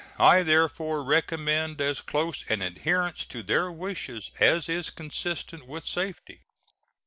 I therefore recommend as close an adherence to their wishes as is consistent with safety.